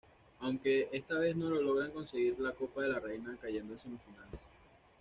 Aunque esta vez no logran conseguir la Copa de la Reina, cayendo en semifinales.